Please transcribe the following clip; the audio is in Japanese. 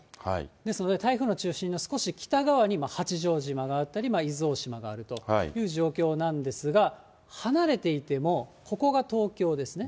ですので、台風の中心の少し北側に八丈島があったり伊豆大島があるという状況なんですが、離れていても、ここが東京ですね。